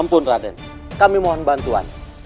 ampun raden kami mohon bantuan